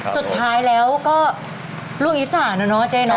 สุดท้ายแล้วก็ลูกอีสานอะเนาะเจ๊เนอ